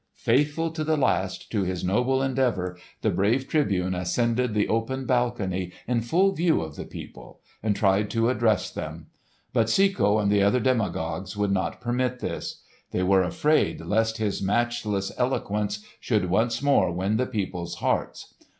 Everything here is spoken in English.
Faithful to the last to his noble endeavour, the brave Tribune ascended the open balcony in full view of the people and tried to address them. But Cecco and the other demagogues would not permit this. They were afraid lest his matchless eloquence should once more win the people's hearts.